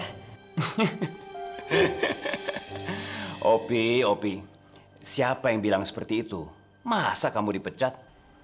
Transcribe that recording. hap opi siapa yang bilang seperti itu masa kamu dipecat